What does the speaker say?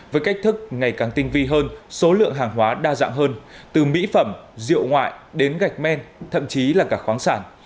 với cách thức ngày càng tinh vi hơn số lượng hàng hóa đa dạng hơn từ mỹ phẩm rượu ngoại đến gạch men thậm chí là cả khoáng sản